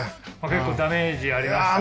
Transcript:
結構ダメージありましたか？